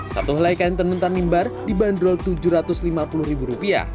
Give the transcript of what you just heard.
satu helai kain tenun tanimbar dibanderol rp tujuh ratus lima puluh